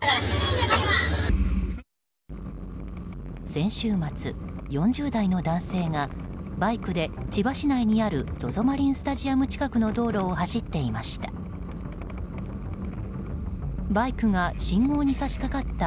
先週末、４０代の男性がバイクで千葉市内にあるＺＯＺＯマリンスタジアム近くの道路を走っていました。